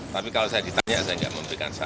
tapi kalau saya ditanya saya pasti memberikan salam